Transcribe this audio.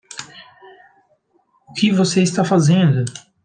O que você está fazendo?